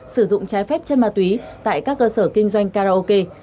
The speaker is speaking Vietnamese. sử dụng trái phép chất ma túy tại các cơ sở kinh doanh karaoke